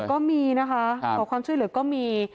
ใช่ขอความช่วยเหลือก็มีนะคะขอความช่วยเหลือก็มี